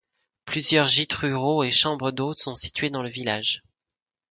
Plusieurs gîtes ruraux et chambres d'hôtes sont situés dans le village.